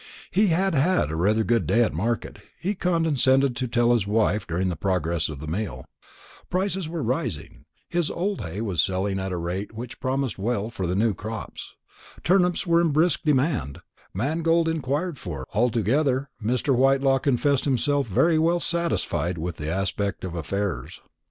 He had had rather a good day at market, he condescended to tell his wife during the progress of the meal; prices were rising, his old hay was selling at a rate which promised well for the new crops, turnips were in brisk demand, mangold enquired for altogether Mr. Whitelaw confessed himself very well satisfied with the aspect of affairs.